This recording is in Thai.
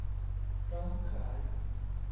พร้อมขาย